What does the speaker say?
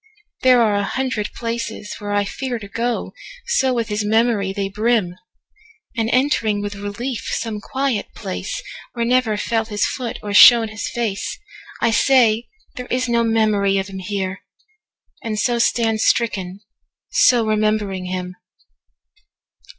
There are a hundred places where I fearTo go,—so with his memory they brim! And entering with relief some quiet placeWhere never fell his foot or shone his faceI say, "There is no memory of him here!"And so stand stricken, so remembering him!